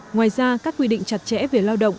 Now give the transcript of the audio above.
ngoài ra các quy định chặt chẽ về lao động